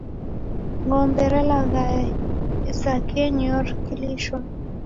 Ng'ombe relaghaya isakenyio rikilishwa